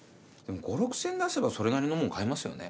５０００６０００円出せばそれなりのもん買えますよね？